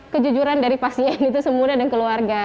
kejujuran dari pasien itu semudah dan keluarga